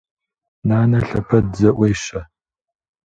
Нанэ лъэпэд зэӏуещэ.